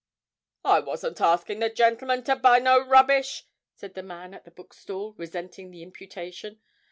'I wasn't asking the gentleman to buy no rubbish,' said the man at the bookstall, resenting the imputation.